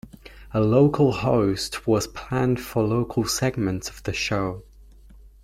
A local host was planned for local segments of the show.